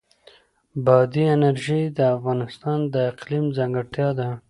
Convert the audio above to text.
بادي انرژي د افغانستان د اقلیم ځانګړتیا ده.